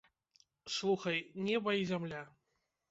Слухай, неба і зямля!